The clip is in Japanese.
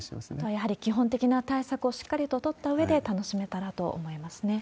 やはり基本的な対策をしっかりと取ったうえで、楽しめたらと思いますね。